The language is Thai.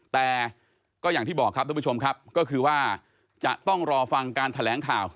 แต่ก็อย่างที่บอกครับทุกผู้ชมครับก็คือว่าจะต้องรอฟังการแถลงข่าว